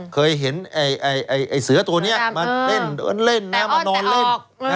เคยเห็นเสือตัวนี้มาเล่นมานอนเล่น